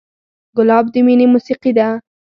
ګلاب د مینې موسیقي ده.